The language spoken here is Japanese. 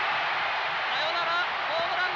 サヨナラホームラン。